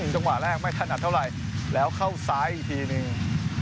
จังหวะแรกไม่ถนัดเท่าไหร่แล้วเข้าซ้ายอีกทีหนึ่ง